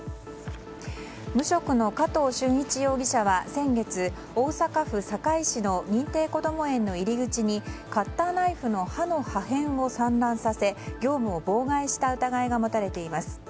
無職の加藤俊一容疑者は、先月大阪府堺市の認定こども園の入り口にカッターナイフの刃の破片を散乱させ業務を妨害した疑いが持たれています。